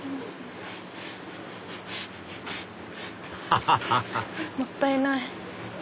アハハハハもったいない！